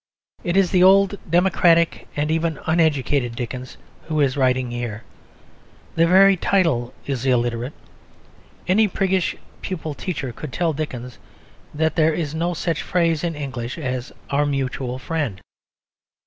It is the old democratic and even uneducated Dickens who is writing here. The very title is illiterate. Any priggish pupil teacher could tell Dickens that there is no such phrase in English as "our mutual friend."